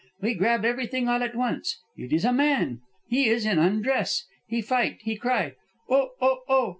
We grab everywhere all at once. It is a man. He is in undress. He fight. He cry, 'Oh! Oh! Oh!'